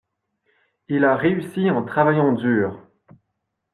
Il a réussi en travaillant dur.